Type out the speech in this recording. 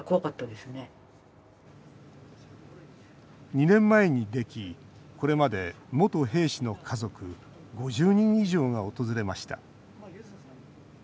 ２年前にできこれまで、元兵士の家族５０人以上が訪れました。